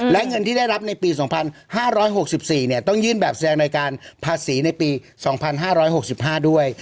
และเงินที่ได้รับในปี๒๕๖๔ต้องยื่นแบบแสดงรายการภาษีในปี๒๕๖๕ด้วย